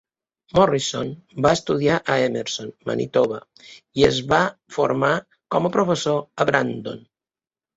Morrison va estudiar a Emerson, Manitoba i es va formar com a professor a Brandon.